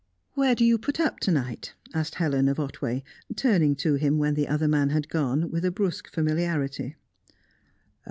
"Where do you put up to night?" asked Helen of Otway, turning to him, when the other man had gone, with a brusque familiarity.